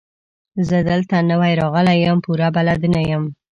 زه دلته نوی راغلی يم، پوره بلد نه يم.